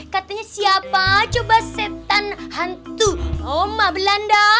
katanya siapa coba setan hantu oma belanda